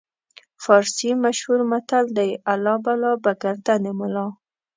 فارسي مشهور متل دی: الله بلا به ګردن ملا.